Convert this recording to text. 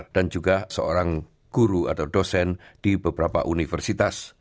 dan juga seorang guru atau dosen di beberapa universitas